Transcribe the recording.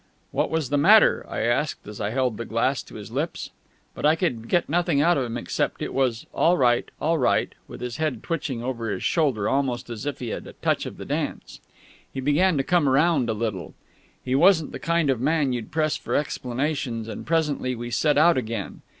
"What was the matter?" I asked, as I held the glass to his lips. But I could get nothing out of him except that it was "All right all right," with his head twitching over his shoulder almost as if he had touch of the dance. He began to come round a little. He wasn't the kind of man you'd press for explanations, and presently we set out again.